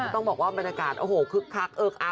ต้องบอกว่าบรรยากาศโอ้โหคึกคักเอิกอัก